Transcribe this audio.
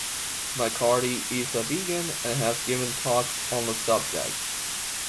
McCarthy is a vegan, and has given talks on the subject.